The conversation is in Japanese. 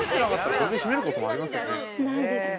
これで閉めることもありますよね。